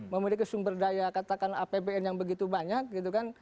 memiliki sumber daya katakan apbn yang begitu banyak gitu kan